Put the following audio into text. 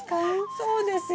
そうですよ。